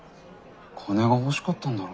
金が欲しかったんだろ。